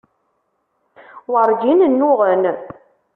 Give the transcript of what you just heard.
Werǧin nnuɣen.